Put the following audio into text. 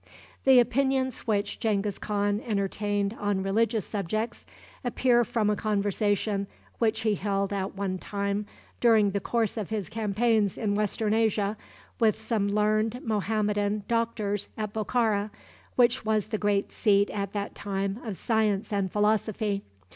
The opinions which Genghis Khan entertained on religious subjects appear from a conversation which he held at one time during the course of his campaigns in Western Asia with some learned Mohammedan doctors at Bokhara, which was the great seat at that time of science and philosophy.